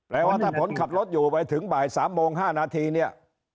ว่าถ้าผมขับรถอยู่ไปถึงบ่าย๓โมง๕นาทีเนี่ย